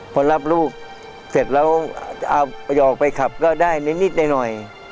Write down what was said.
พอรับลูกเสร็จแล้วเอาไปออกไปขับก็ได้นิดหน่อย